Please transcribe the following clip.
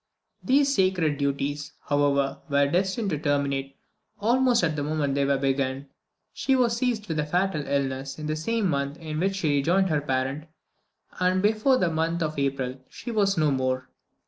These sacred duties, however, were destined to terminate almost at the moment they were begun. She was seized with a fatal illness in the same month in which she rejoined her parent, and before the month of April she was no more.